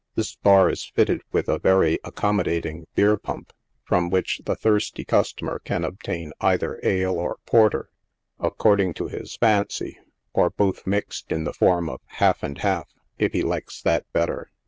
This bar is fitted witb a very accommodating beer pump, from which the thirsty customer can obtain either ale or porter, according to his fancy, or both mixed in the form of "half and half," if he likes that better.